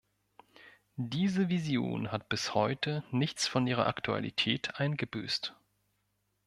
Diese Vision hat bis heute nichts von ihrer Aktualität eingebüßt.